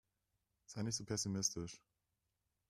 Sei nicht so pessimistisch.